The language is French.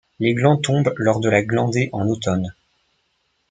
Les glands tombent lors de la glandée en automne.